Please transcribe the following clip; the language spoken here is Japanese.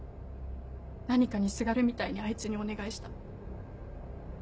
何かにすがるみたいにあいつにお願いした。